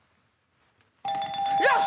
よし！